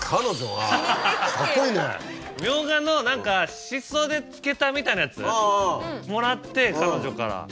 みょうがの何かシソで漬けたみたいなやつもらって彼女から。